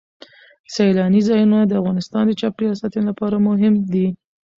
سیلانی ځایونه د افغانستان د چاپیریال ساتنې لپاره مهم دي.